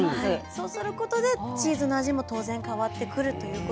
そうすることでチーズの味も当然変わってくるということで。